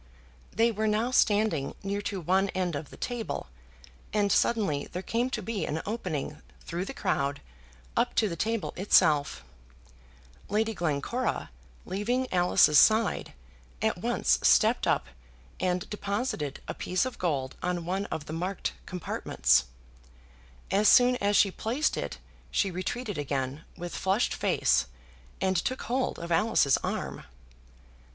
They were now standing near to one end of the table, and suddenly there came to be an opening through the crowd up to the table itself. Lady Glencora, leaving Alice's side, at once stepped up and deposited a piece of gold on one of the marked compartments. As soon as she placed it she retreated again with flushed face, and took hold of Alice's arm.